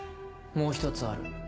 もう１つある。